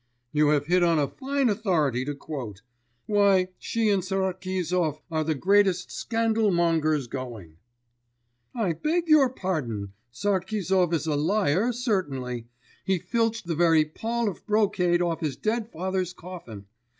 'You have hit on a fine authority to quote! Why, she and Sarkizov are the greatest scandal mongers going.' 'I beg your pardon, Sarkizov is a liar, certainly. He filched the very pall of brocade off his dead father's coffin.